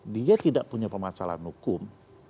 dia tidak punya permasalahan hukum